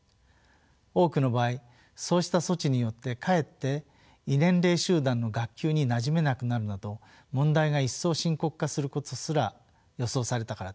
多くの場合そうした措置によってかえって異年齢集団の学級になじめなくなるなど問題が一層深刻化することすら予想されたからです。